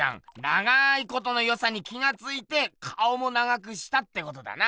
長いことのよさに気がついて顔も長くしたってことだな。